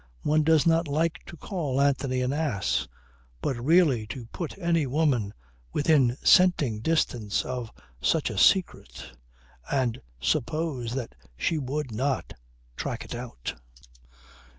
One does not like to call Anthony an ass. But really to put any woman within scenting distance of such a secret and suppose that she would not track it out!